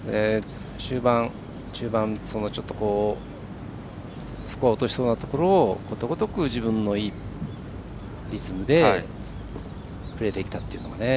終盤、中盤、ちょっとスコアを落としそうなところをことごとく、自分のいいリズムでプレーできたというのは。